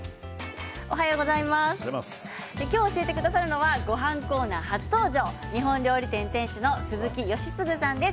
今日、教えてくださるのはごはんコーナー初登場日本料理店店主の鈴木好次さんです。